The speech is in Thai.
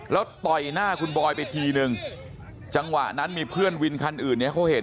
แล้วต่อยหน้าคุณบอยไปทีนึงจังหวะนั้นมีเพื่อนวินคันอื่นเนี่ยเขาเห็น